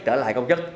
trở lại công chức